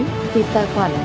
hệ thống sẽ có cảnh báo